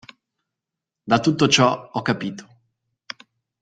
Da tutto ciò ho capito.